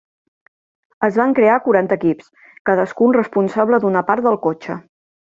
Es van crear quaranta equips, cadascun responsable d'una part del cotxe.